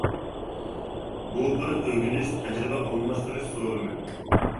بۇ بىر ئۆگىنىش، تەجرىبە ئالماشتۇرۇش سورۇنى.